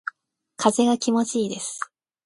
風が気持ちいいです。